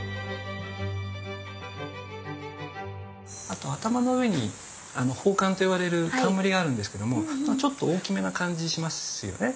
あと頭の上に宝冠といわれる冠があるんですけどもちょっと大きめな感じしますよね？